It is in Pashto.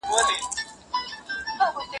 تاسو مېوې د مچانو او ککړتیا څخه په بشپړ ډول وساتئ.